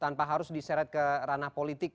tanpa harus diseret ke ranah politik